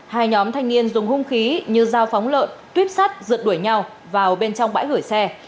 hai nhóm thanh niên dùng hung khí như dao phóng lợn tuyếp sắt rượt đuổi nhau vào bên trong bãi gửi xe